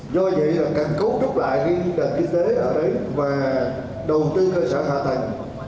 do vậy là cần cấu trúc lại cái kinh tế ở đấy và đầu tư cơ sở hạ tầng